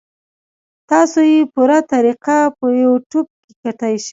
تاسو ئې پوره طريقه پۀ يو ټيوب کتے شئ -